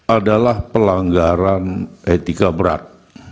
adalah pelanggaran etika berat